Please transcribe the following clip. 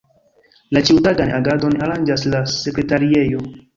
La ĉiutagan agadon aranĝas la Sekretariejo.